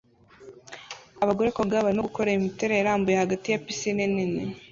Abagore koga barimo gukora imiterere irambuye hagati ya pisine nini